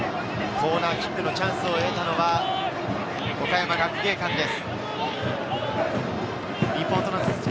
コーナーキックのチャンスを得たのは岡山学芸館です。